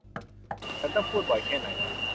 ฉันต้องพูดบ่อยแค่ไหน !